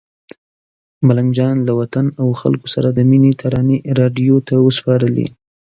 ملنګ جان له وطن او خلکو سره د مینې ترانې راډیو ته وسپارلې.